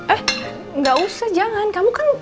eh nggak usah jangan